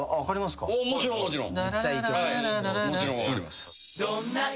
もちろんもちろん。